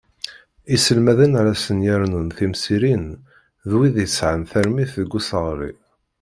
Iselmaden ara sen-yernun timsirin, d wid yesεan tarmit deg useɣṛi.